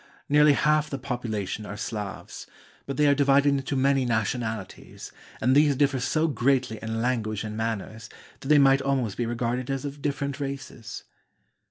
Nearly half the population are Slavs; but they are divided into many nationalities, and these differ so greatly in language and manners that they might almost be regarded as of different races.